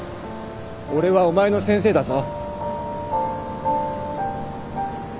俺はお前の先生だぞ。